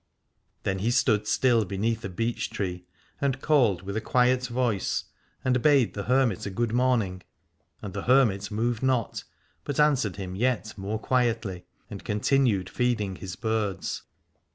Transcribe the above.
Then he stood still beneath a beech tree, and called with a quiet voice and bade the 234 Aladore hermit a good morning : and the hermit moved not but answered him yet more quietly, and continued feeding his birds.